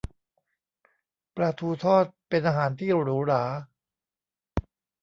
ปลาทูทอดเป็นอาหารที่หรูหรา